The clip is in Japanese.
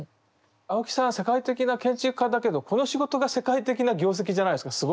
青木さんは世界的な建築家だけどこの仕事が世界的な業績じゃないですか。